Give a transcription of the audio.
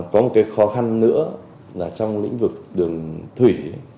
có một cái khó khăn nữa là trong lĩnh vực đường thủy